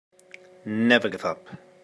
Never give up.